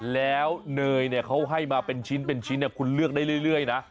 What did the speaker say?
แล้วเนยเขาให้มาเป็นชิ้นคุณเลือกได้เรื่อยนะ